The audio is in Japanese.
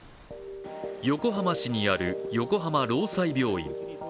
横浜市にある横浜労災病院。